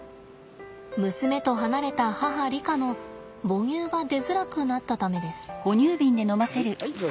娘と離れた母リカの母乳が出づらくなったためです。